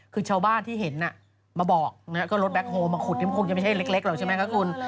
คือชาวบ้านที่เห็นมาบอกก็รถแบ็คโฮลมาขุดนี่มันคงจะไม่ใช่เล็กหรอกใช่ไหมคะคุณ